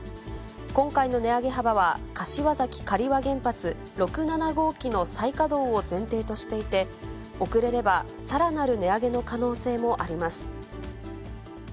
今回の値上げ幅は柏崎刈羽原発６・７号機の再稼働を前提としていて、遅れればさらなる値上げの可能性もあります。